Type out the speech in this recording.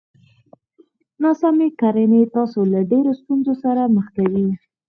ناسمې کړنې تاسو له ډېرو ستونزو سره مخ کوي!